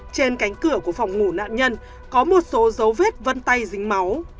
trên cánh cửa của phòng ngủ nạn nhân có một số dấu vết vân tay dính máu